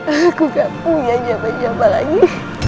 aku gak punya siapa siapa lagi